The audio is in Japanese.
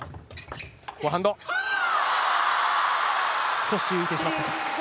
少し浮いてしまった。